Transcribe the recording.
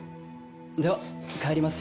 では帰ります。